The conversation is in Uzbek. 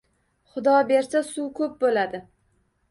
Xudo bersa, suv ko`p bo`ladi